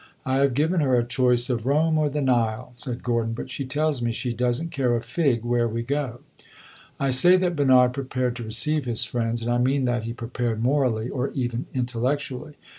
"I have given her a choice of Rome or the Nile," said Gordon, "but she tells me she does n't care a fig where we go." I say that Bernard prepared to receive his friends, and I mean that he prepared morally or even intellectually.